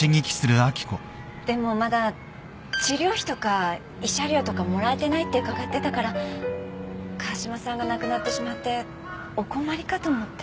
でもまだ治療費とか慰謝料とかもらえてないって伺ってたから川嶋さんが亡くなってしまってお困りかと思って。